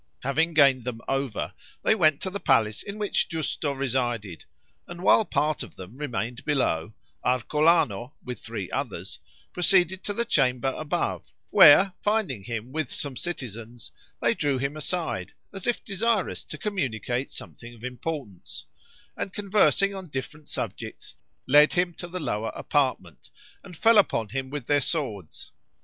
Having gained them over, they went to the palace in which Giusto resided; and while part of them remained below, Arcolano, with three others, proceeded to the chamber above, where finding him with some citizens, they drew him aside, as if desirous to communicate something of importance, and conversing on different subjects, let him to the lower apartment, and fell upon him with their swords.